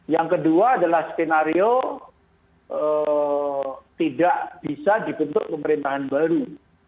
yang kedua adalah skenario tidak bisa dibentuk pemerintahan baru